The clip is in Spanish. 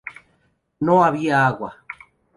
No había agua.